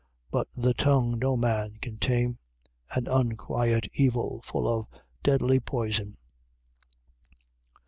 3:8. But the tongue no man can tame, an unquiet evil, full of deadly poison.